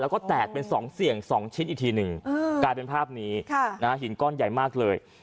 แล้วก็แตกเป็น๒เสี่ยง๒ชิ้นอีกทีหนึ่งกลายเป็นภาพนี้หินก้อนใหญ่มากเลย